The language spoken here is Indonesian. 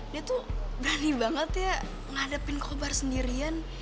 dia tuh berani banget ya ngadepin kobar sendirian